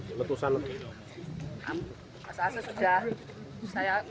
ampun pas aja sudah saya mau keluar sudah ada terus angin